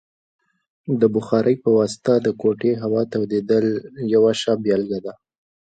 د بخارۍ په واسطه د کوټې هوا تودیدل یوه ښه بیلګه ده.